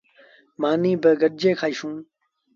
مآݩيٚ با گڏجي کآئيٚسون۔